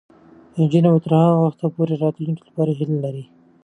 نجونې به تر هغه وخته پورې د راتلونکي لپاره هیله لري.